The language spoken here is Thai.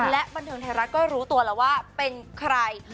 และบันเทิงไทยรัฐก็รู้ตัวแล้วว่าเป็นใคร